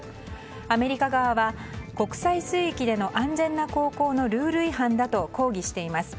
アメリカ側は国際水域での安全な航行のルール違反だと抗議しています。